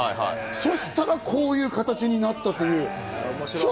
そしたらこういう形になったという。